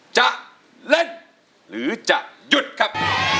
จะเล่นหรือจะหยุดครับ